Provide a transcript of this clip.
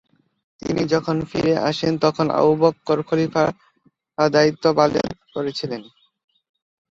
তিনি যখন ফিরে আসেন তখন আবু বকর খলিফা দায়িত্ব পালন করছিলেন।